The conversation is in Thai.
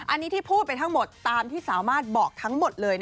อันนี้ที่พูดไปทั้งหมดตามที่สามารถบอกทั้งหมดเลย